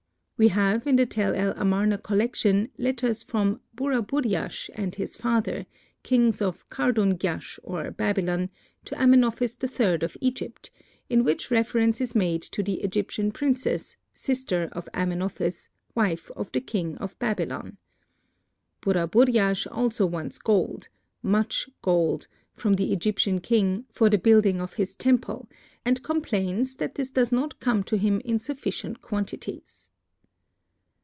We have in the Tel el Amarna collection, letters from Burraburyash and his father, kings of Kardungyash or Babylon, to Amenophis III of Egypt, in which reference is made to the Egyptian princess, sister of Amenophis, wife of the king of Babylon. Burraburyash also wants gold, "much gold" from the Egyptian king, for the building of his temple, and complains that this does not come to him in sufficient quantities.